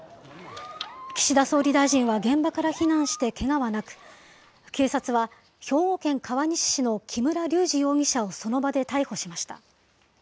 岸田総理大臣は現場から避難してけがはなく、警察は、兵庫県川西市の木村隆二容疑者をその場で逮捕しました。